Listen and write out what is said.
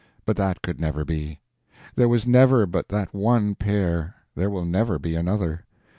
But that could never be. There was never but that one pair, there will never be another.